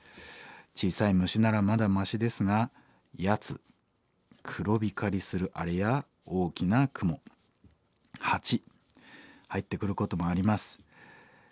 小さい虫ならまだマシですがヤツ黒光りするアレや大きなクモハチ入ってくることもあります。